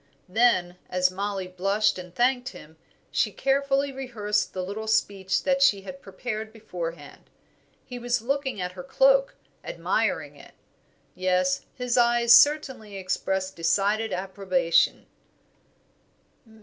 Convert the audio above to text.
Then, as Mollie blushed and thanked him, she carefully rehearsed the little speech that she had prepared beforehand. He was looking at her cloak, admiring it. Yes, his eyes certainly expressed decided approbation.